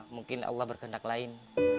mungkin allah berkendak lain